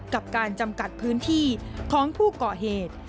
กับการจำกัดพื้นที่ของผู้ก่อเหตุ